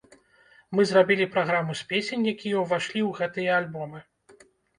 Мы зрабілі праграму з песень, якія ўвайшлі ў гэтыя альбомы.